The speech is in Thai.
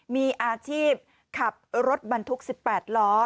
มีอาชีพขับรถบรรทุก๑๘ล้อ